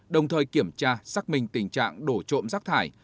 đồng thời kiểm tra xác minh tình trạng đổ trộm rác thải